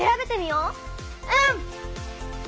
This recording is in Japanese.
うん！